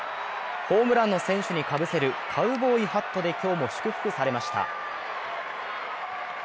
ホームランの選手にかぶせるカウボーイハットで今日も祝福されました。